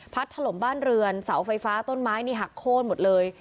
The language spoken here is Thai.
ถล่มบ้านเรือนเสาไฟฟ้าต้นไม้นี่หักโค้นหมดเลย